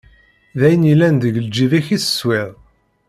D ayen yellan deg lǧib-ik i teswiḍ.